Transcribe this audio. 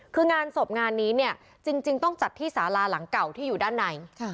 คืองานศพงานนี้เนี่ยจริงต้องจัดที่สาราหลังเก่าที่อยู่ด้านใน